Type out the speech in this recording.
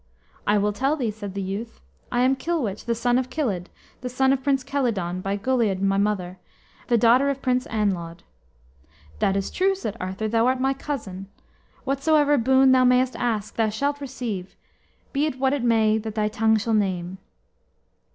"I will tell thee," said the youth. "I am Kilwich, the son of Kilydd, the son of Prince Kelyddon, by Goleudyd, my mother, the daughter of Prince Anlawd." "That is true," said Arthur; "thou art my cousin. Whatsoever boon thou mayest ask, thou shalt receive, be it what it may that thy tongue shall name."